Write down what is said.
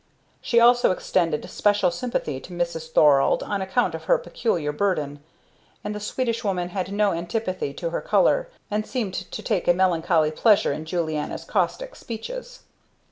She also extended special sympathy to Mrs. Thorald on account of her peculiar burden, and the Swedish woman had no antipathy to her color, and seemed to take a melancholy pleasure in Julianna's caustic speeches.